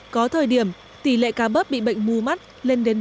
có thời điểm tỷ lệ cá bớp bị bệnh mù mắt lên đến bốn mươi